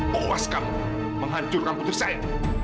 puas kamu menghancurkan putri saya